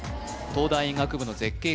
東大医学部の絶景